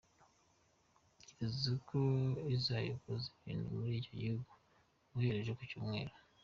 Byitezwe ko izayogoza ibintu muri icyo gihugu guhera ejo ku cyumweru.